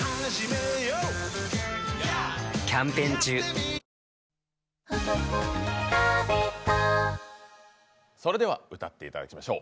三井不動産それでは歌っていただきましょう。